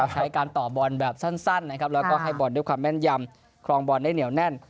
ใช้การต่อบอลแบบสั้นนะครับแล้วก็ให้บอลด้วยความแม่นยำครองบอลได้เหนียวแน่น